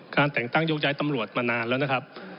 แต่งตั้งยกย้ายตำรวจมานานแล้วนะครับ